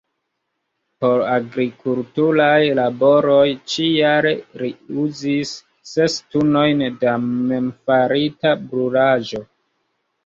Por agrikulturaj laboroj ĉi-jare li uzis ses tunojn da memfarita brulaĵo.